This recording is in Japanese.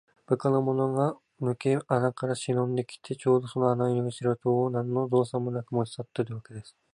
部下のものがぬけ穴からしのんできて、ちょうどその穴の入り口にある塔を、なんのぞうさもなく持ちさったというわけですよ。